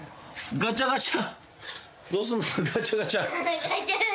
ガチャガチャ。